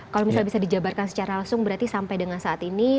kalau misalnya bisa dijabarkan secara langsung berarti sampai dengan saat ini